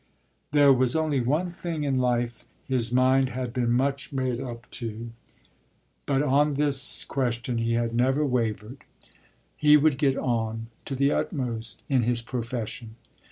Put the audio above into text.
There was only one thing in life his mind had been much made up to, but on this question he had never wavered: he would get on, to the utmost, in his profession.